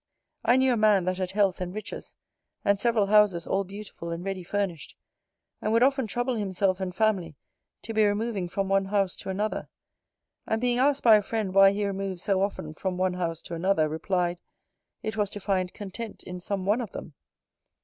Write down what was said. I knew a man that had health and riches; and several houses, all beautiful, and ready furnished; and would often trouble himself and family to be removing from one house to another: and being asked by a friend why he removed so often from one house to another, replied, "It was to find content in some one of them".